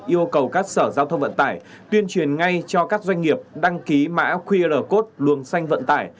yêu cầu các sở giao thông vận tải tuyên truyền ngay cho các doanh nghiệp đăng ký mã qr code luồng xanh vận tải